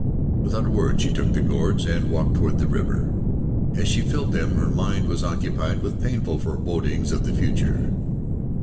Without a word she took the gourds and walked toward the river. As she filled them, her mind was occupied with painful forebodings of the future.